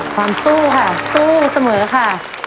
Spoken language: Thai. สู้ค่ะสู้เสมอค่ะ